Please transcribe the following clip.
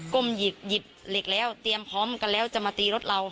หยิบเหล็กแล้วเตรียมพร้อมกันแล้วจะมาตีรถเรา